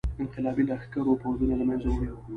انقلابي لښکرو پوځونه له منځه وړي وو.